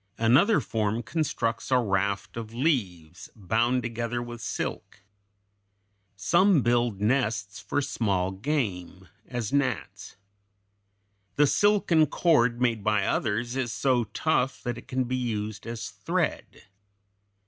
Another form constructs a raft of leaves bound together with silk. Some build nets for small game, as gnats. The silken cord made by others is so tough that it can be used as thread.